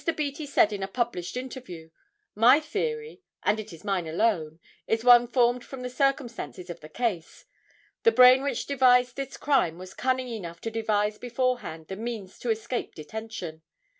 Beattie said in a published interview: "My theory—and it is mine alone—is one formed from the circumstances of the case. The brain which devised this crime was cunning enough to devise beforehand, the means to escape detention.